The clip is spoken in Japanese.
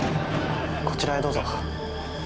こちらへどうぞ。